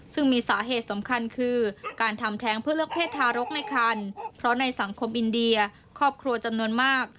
ซึ่งมีสาเหตุสำคัญคือการทำแท้งเพื่อเลือกเศษทารกในคันเพราะในสังคมอินเดียครอบครัวจำนวนมาก